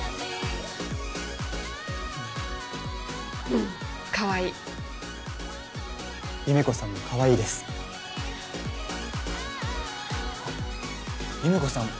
うんかわいい優芽子さんもかわいいです優芽子さん